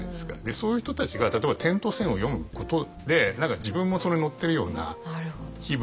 そういう人たちが例えば「点と線」を読むことで何か自分もそれ乗ってるような気分になれる。